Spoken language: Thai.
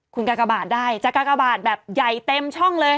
คุณกากบาทได้จากกากบาทแบบใหญ่เต็มช่องเลย